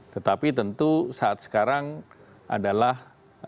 tetapi tentu saat sekarang adalah tugas tugas politik dari partai golkar untuk menyukseskan